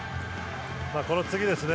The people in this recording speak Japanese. この次ですね。